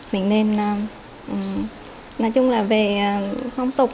mình nên nói chung là về phong tục